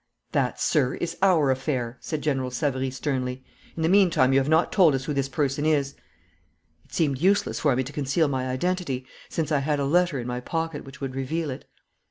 'That, sir, is our affair,' said General Savary sternly. 'In the meantime you have not told us who this person is.' It seemed useless for me to conceal my identity, since I had a letter in my pocket which would reveal it.